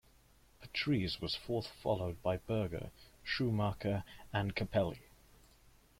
Patrese was fourth followed by Berger, Schumacher and Capelli.